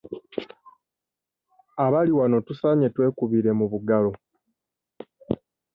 Abali wano tusaanye twekubire mu bugalo.